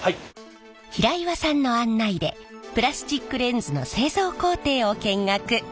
平岩さんの案内でプラスチックレンズの製造工程を見学。